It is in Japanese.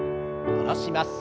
下ろします。